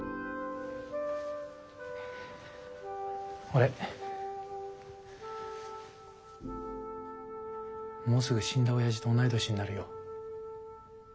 俺もうすぐ死んだおやじと同い年になるよ。